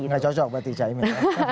tidak cocok berarti caimin